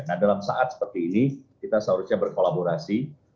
nah dalam saat seperti ini kita seharusnya berkolaborasi